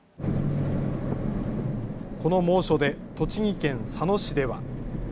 この猛暑で栃木県佐野市では。